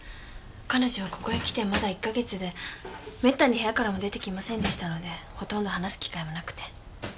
彼女はここへ来てまだ１か月でめったに部屋からも出てきませんでしたのでほとんど話す機会もなくて。